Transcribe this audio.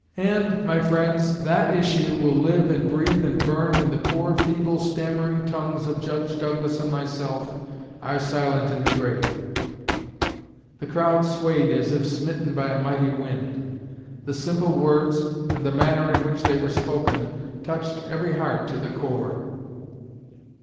And, my friends, that issue will live and breathe and burn when the poor, feeble, stammering tongues of Judge Douglas and myself are silent in the grave." The crowd swayed as if smitten by a mighty wind. The simple words, and the manner in which they were spoken, touched every heart to the core.